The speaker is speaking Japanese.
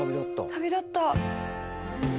旅立った。